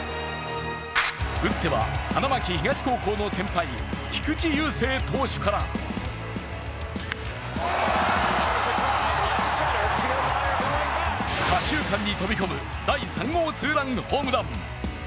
打っては花巻東高校の先輩、菊池雄星投手から左中間に飛び込む第３号ツーランホームラン。